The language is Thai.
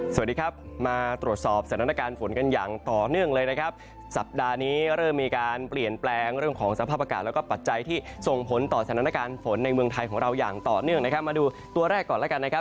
สวัสดีครับมาตรวจสอบสถานการณ์ฝนกันอย่างต่อเนื่องเลยนะครับสัปดาห์นี้เริ่มมีการเปลี่ยนแปลงเรื่องของสภาพอากาศแล้วก็ปัจจัยที่ส่งผลต่อสถานการณ์ฝนในเมืองไทยของเราอย่างต่อเนื่องนะครับมาดูตัวแรกก่อนแล้วกันนะครับ